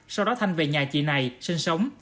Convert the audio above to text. sau đó thanh về nhà chị này sinh sống